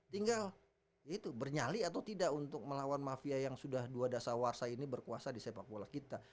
tinggal itu bernyali atau tidak untuk melawan mafia yang sudah dua dasar warsa ini berkuasa di sepak bola kita